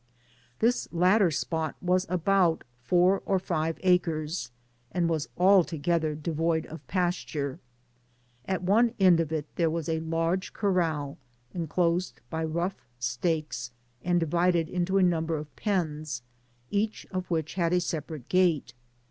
This latter spot was about four or five acres, and was altogether devoid of pasture; at one end of it there was a large corral enclosed by rough stakes, and divided into a ^umber of pens, each of which had a sepa* rate gate.